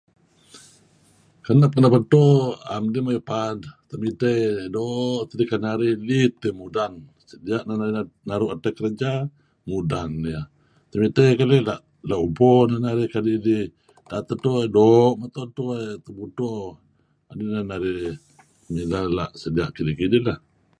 Kenep-kenep edto am dih paad, temidteh dih doo' tiyeh lan narih ulit tiyah mudan, sedia' neh narih naru' edtah kerja mudan niyeh. Temidteh keleh la' ubpo neh narih kadi' idih da'et edto doo' meto edto eh, tebudto, neh nah narih mileh la' sedia' kidih-kidih lah.